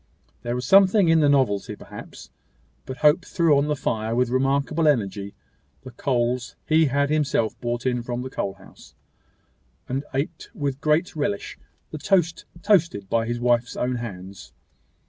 There was something in the novelty, perhaps; but Hope threw on the fire with remarkable energy the coals he had himself brought in from the coal house, and ate with great relish the toast toasted by his wife's own hands.